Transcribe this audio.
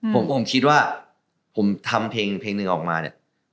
ผมก็คงคิดว่าผมทำเพลงหนึ่งออกมาเนี่ย